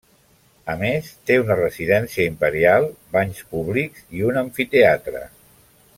A més, té una residència imperial, banys públics i un amfiteatre.